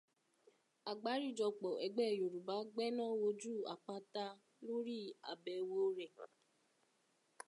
Àgbáríjọpọ̀ ẹgbẹ́ Yorùbá gbẹ́ná wojú Àpata lórí àbẹ̀wò rẹ̀